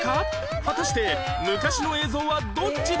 果たして昔の映像はどっちだったか？